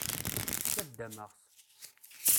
Ttaddameɣ-t.